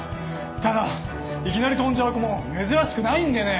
ただいきなり飛んじゃう子も珍しくないんでね。